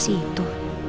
apa sih itu